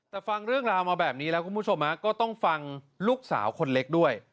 แต่ฟังเรื่องราวมาแบบนี้แล้วคุณผู้ชมก็ต้องฟังลูกสาวคนเล็กด้วย